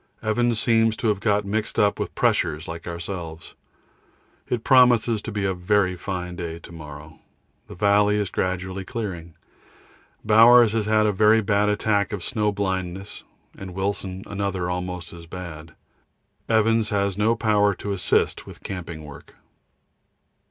Evans seems to have got mixed up with pressures like ourselves. It promises to be a very fine day to morrow. The valley is gradually clearing. Bowers has had a very bad attack of snow blindness, and Wilson another almost as bad. Evans has no power to assist with camping work.